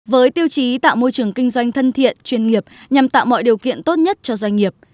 với tiêu chí tạo môi trường kinh doanh thân thiện chuyên nghiệp nhằm tạo mọi điều kiện tốt nhất cho doanh nghiệp